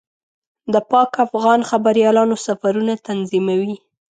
د پاک افغان خبریالانو سفرونه تنظیموي.